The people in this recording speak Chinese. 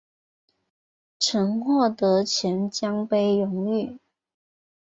曾获得钱江杯荣誉。